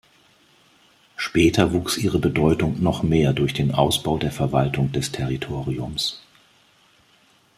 Später wuchs ihre Bedeutung noch mehr durch den Ausbau der Verwaltung des Territoriums.